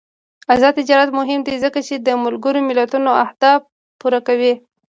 آزاد تجارت مهم دی ځکه چې د ملګرو ملتونو اهداف پوره کوي.